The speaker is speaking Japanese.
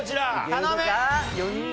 頼む！